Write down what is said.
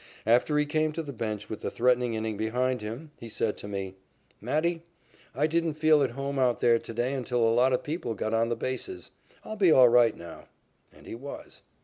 After he came to the bench with the threatening inning behind him, he said to me: "Matty, I didn't feel at home out there to day until a lot of people got on the bases. I'll be all right now." And he was.